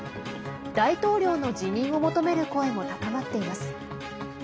大統領の辞任を求める声も高まっています。